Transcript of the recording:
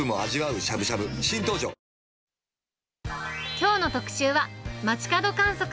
きょうの特集は、街角観測。